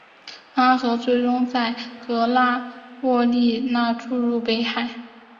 阿河最终在格拉沃利讷注入北海。